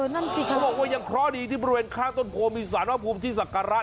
เขาบอกว่ายังเพราะดีที่บริเวณข้างต้นโพมีสารว่าภูมิที่สักการรัฐ